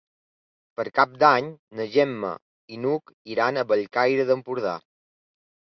Per Cap d'Any na Gemma i n'Hug iran a Bellcaire d'Empordà.